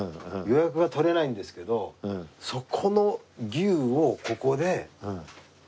予約が取れないんですけどそこの牛をここで。